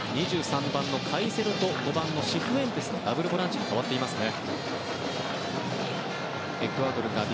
２３番のカイセドと５番、シフエンテスのダブルボランチに変わっていますね。